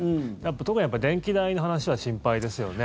特に電気代の話は心配ですよね。